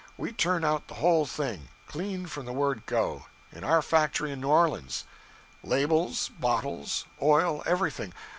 We turn out the whole thing clean from the word go in our factory in New Orleans: labels, bottles, oil, everything.